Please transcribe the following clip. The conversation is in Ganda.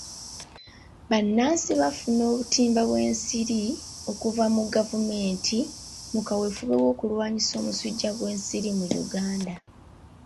Bannansi bafuna obutimba bw'ensiri okuva mu gavumenti mu kawefube w'okulwanyisa omusujja gw'ensiri mu Uganda.